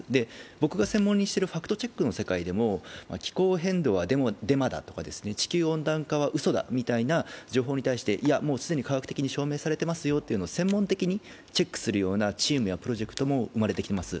僕が専門にしているファクトチェックの世界でも気候変動はデマだとか地球温暖化はうそだというような情報に対していや、もう既に科学的に証明されてますよと専門的にチェックするチームやプロジェクトも生まれてきています。